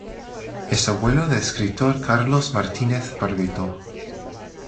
Es abuelo del escritor Carlos Martínez-Barbeito.